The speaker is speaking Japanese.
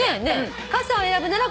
「傘を選ぶなら」